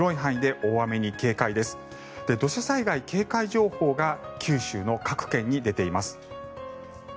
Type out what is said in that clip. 土砂災害警戒情報が九州の各県に出ています。